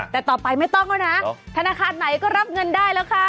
แต่ต่อไปไม่ต้องแล้วนะธนาคารไหนก็รับเงินได้แล้วค่ะ